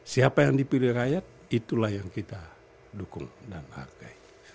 siapa yang dipilih rakyat itulah yang kita dukung dan hargai